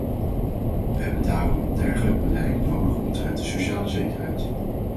We hebben daarom een degelijk beleid nodig omtrent de sociale zekerheid.